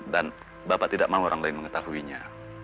dan bapak tidak mau orang lain mengetahuinya